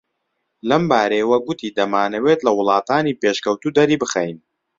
لەمبارەیەوە گوتی دەمانەوێت لە وڵاتانی پێشکەوتوو دەری بخەین